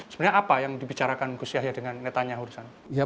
sebenarnya apa yang dibicarakan kusyahi dengan netanyahu di sana